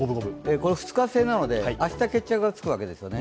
２日制なので、明日決着がつくわけですよね。